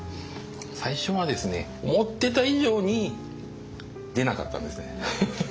最初はですね思ってた以上に出なかったんですね。